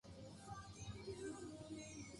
英語が得意です